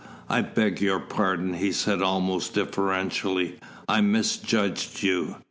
"I beg your pardon," he said almost deferentially. "I misjudged you."